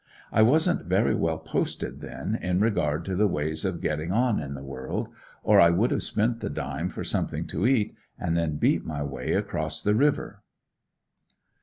I wasn't very well posted then, in regard to the ways of getting on in the world, or I would have spent the dime for something to eat, and then beat my way across the river.